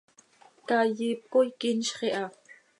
Caay iip coi quinzx iha.